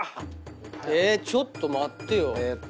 ⁉えちょっと待ってよ。